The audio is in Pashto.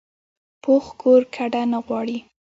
پوخ کور کډه نه غواړي